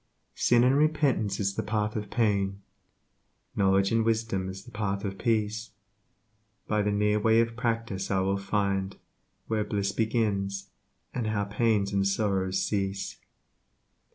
Sin and repentance is the path of pain, Knowledge and wisdom is the path of Peace By the near way of practice I will find Where bliss begins, how pains and sorrows cease.